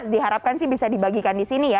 diharapkan sih bisa dibagikan di sini ya